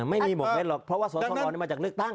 ไม่มีหมวดเม็ดหรอกเพราะว่าอัศส๑๙๕๗มาจากเลือกตั้ง